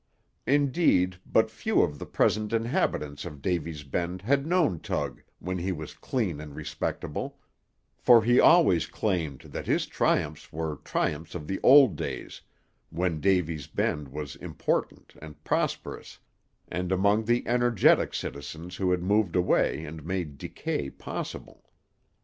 Indeed, but few of the present inhabitants of Davy's Bend had known Tug when he was clean and respectable, for he always claimed that his triumphs were triumphs of the old days, when Davy's Bend was important and prosperous, and among the energetic citizens who had moved away and made decay possible.